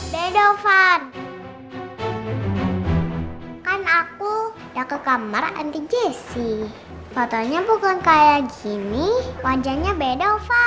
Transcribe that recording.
bedovan kan aku udah ke kamar anti jessy foto nya bukan kayak gini wajahnya bedovan